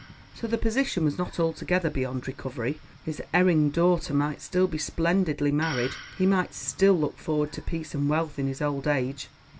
So the position was not altogether beyond recovery. His erring daughter might still be splendidly married; he might still look forward to peace and wealth in his old age.